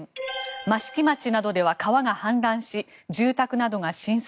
益城町などでは川が氾濫し住宅などが浸水。